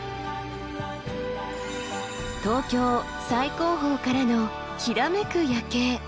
東京最高峰からのきらめく夜景。